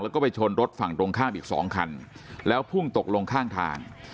แล้วก็ไปชนรถฝั่งตรงข้ามอีกสองคันแล้วพุ่งตกลงข้างทาง